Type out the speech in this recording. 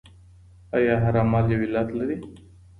آيا هر عمل يو علت لري؟